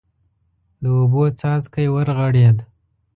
د اوبو څاڅکی ورغړېد.